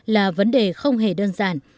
là vấn đề không hề đơn giản